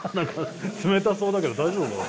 冷たそうだけど大丈夫？